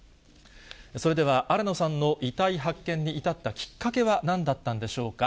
それでは新野さんの遺体発見に至ったきっかけはなんだったんでしょうか。